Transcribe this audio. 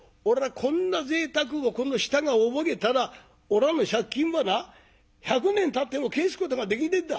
こんなぜいたくをこの舌が覚えたらおらの借金はな１００年たっても返すことができねんだ。